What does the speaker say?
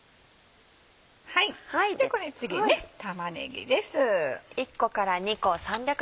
これ次ね玉ねぎです。